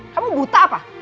kamu buta apa